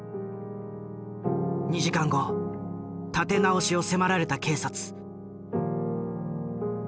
２時間後立て直しを迫られた警察。